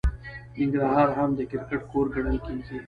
ننګرهار هم د کرکټ کور ګڼل کیږي.